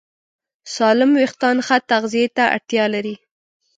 سالم وېښتيان ښه تغذیه ته اړتیا لري.